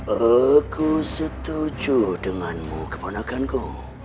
aku setuju denganmu kepanakanku